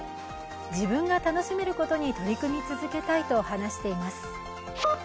自分が楽しめることに取り組み続けたいと話しています。